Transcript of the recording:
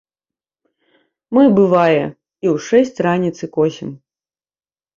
Мы, бывае, і ў шэсць раніцы косім.